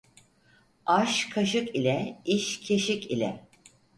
Aş kaşık ile, iş keşik ile.